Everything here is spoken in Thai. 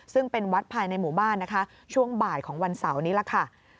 ซึ่งเป็นวัดภายในหมู่บ้านนะคะช่วงบ่ายของวันเสาร์นี้ล่ะค่ะ